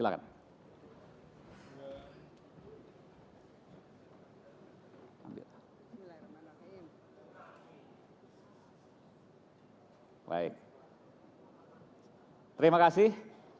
baik terima kasih